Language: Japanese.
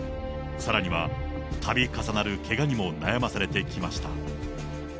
さらには、たび重なるけがにも悩まされてきました。